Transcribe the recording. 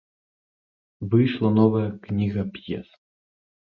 Выйшла новая кніга п'ес.